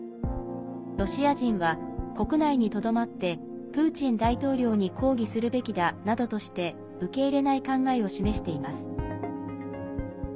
ロシア人は国内にとどまってプーチン大統領に抗議するべきだなどとして受け入れない考えを示しています。